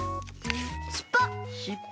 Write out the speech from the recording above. しっぽ！